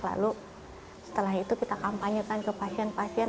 lalu setelah itu kita kampanyekan ke pasien pasien